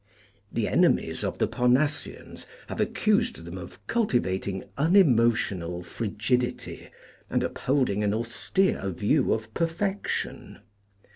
The enemies of the Parnassians have accused them of cultivating unemotional frigidity and uphold ing an austere view of perfection.